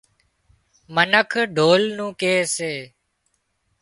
منک ڍول نُون ڪي سي